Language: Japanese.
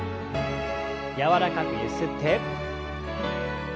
柔らかくゆすって。